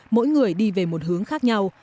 mỗi người đi về một hướng khác nhau